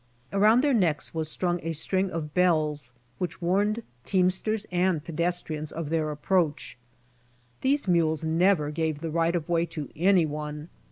Around their necks was strung a string of bells which warned teamsters and pedestrians of their approach. These mules never gave the right of way to anyone.